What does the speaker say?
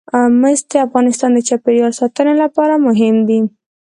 مس د افغانستان د چاپیریال ساتنې لپاره مهم دي.